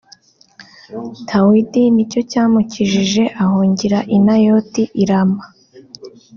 Dawidi nicyo cyamukijije ahungira i Nayoti i Rama